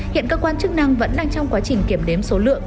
hiện cơ quan chức năng vẫn đang trong quá trình kiểm đếm số lượng